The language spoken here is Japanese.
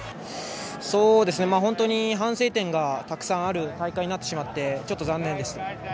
本当に反省点がたくさんある大会になってしまってちょっと残念です。